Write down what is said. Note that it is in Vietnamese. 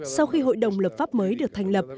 sau khi hội đồng lập pháp mới được thành lập